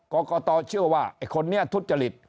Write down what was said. กรกตเชื่อว่าไอ้คนนี้ทุจริต